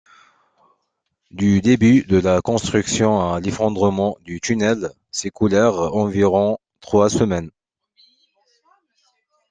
Du début de la construction à l'effondrement du tunnel s'écoulèrent environ trois semaines.